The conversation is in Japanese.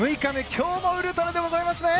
今日もウルトラでございますね。